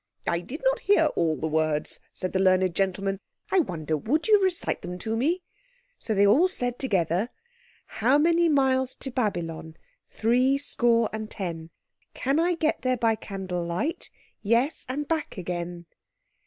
"I did not hear all the words," said the learned gentleman. "I wonder would you recite them to me?" So they all said together— "How many miles to Babylon? Three score and ten! Can I get there by candle light? Yes, and back again!"